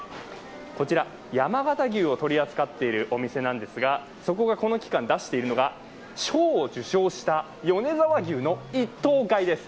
こちらは山形牛を取り扱っているお店なんですが、そこがこの期間出しているのが賞を受賞した米沢牛の１頭買いです。